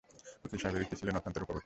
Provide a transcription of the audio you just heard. উকিল সাহেবের স্ত্রী ছিলেন অত্যন্ত রূপবতী।